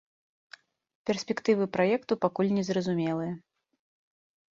Перспектывы праекту пакуль незразумелыя.